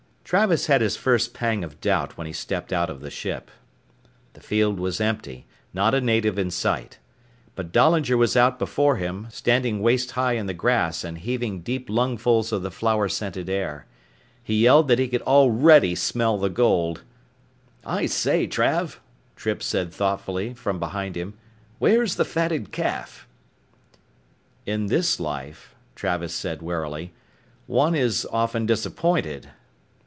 Travis had his first pang of doubt when he stepped out of the ship. The field was empty, not a native in sight. But Dahlinger was out before him, standing waist high in the grass and heaving deep lungfuls of the flower scented air. He yelled that he could already smell the gold. "I say, Trav," Trippe said thoughtfully from behind him, "where's the fatted calf?" "In this life," Travis said warily, "one is often disappointed."